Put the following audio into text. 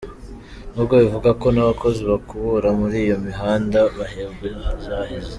N’ubwo bivugwa ko n’abakozi bakubura muri iyo mihanda bahembwa zahize?